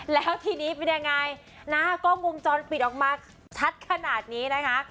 แล้วทีนี้เป็นยังไงนะกล้องวงจรปิดออกมาชัดขนาดนี้นะคะ